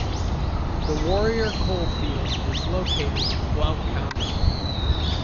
The Warrior coal field is located in Blount County.